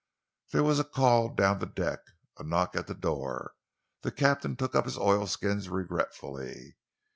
There was a call down the deck, a knock at the door. The captain took up his oilskins regretfully.